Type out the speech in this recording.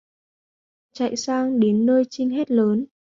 Chạy sang đến nơi chinh hét lớn